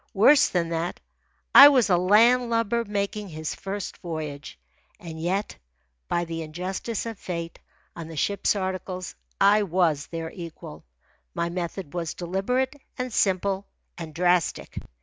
Worse than that, I was a land lubber making his first voyage. And yet, by the injustice of fate, on the ship's articles I was their equal. My method was deliberate, and simple, and drastic.